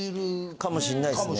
かもしんないですね。